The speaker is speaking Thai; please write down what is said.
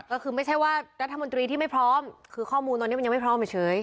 ก็คือไม่ใช่ว่ารัฐมนตรีที่ไม่พร้อมคือข้อมูลตอนนี้มันยังไม่พร้อมเฉย